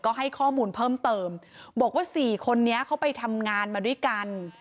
ก็ให้ข้อมูลเพิ่มเติมบอกว่าสี่คนนี้เขาไปทำงานมาด้วยกัน